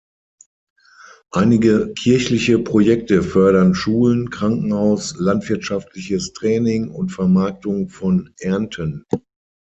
Einige kirchliche Projekte fördern Schulen, Krankenhaus, landwirtschaftliches Training und Vermarktung von Ernten.